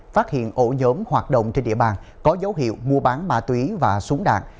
phát hiện ổ nhóm hoạt động trên địa bàn có dấu hiệu mua bán ma túy và súng đạn